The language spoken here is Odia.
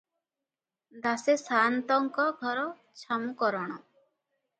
ଦାସେ ସା'ନ୍ତଙ୍କ ଘର ଛାମୁକରଣ ।